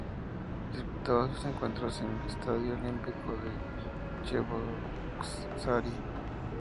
Disputaba sus encuentros en el "Estadio Olímpico de Cheboksary".